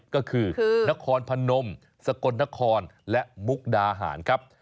ก็คือนครพนมสกลนครและมุกดาหารครับ